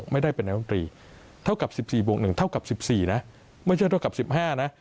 ไม่ได้เป็นนายมนตรีเท่ากับ๑๔บวก๑เท่ากับ๑๔นะไม่ใช่เท่ากับ๑๕นะ